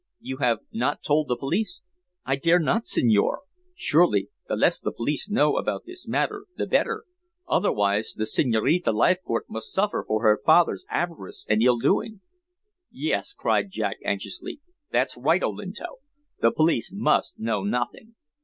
"You have not told the police?" "I dare not, signore. Surely the less the police know about this matter the better, otherwise the Signorina Leithcourt must suffer for her father's avarice and evil doing." "Yes," cried Jack anxiously. "That's right, Olinto. The police must know nothing.